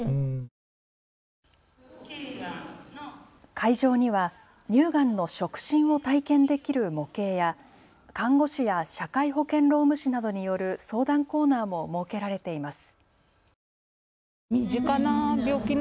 会場には乳がんの触診を体験できる模型や看護師や社会保険労務士などによる相談コーナーも設けられています。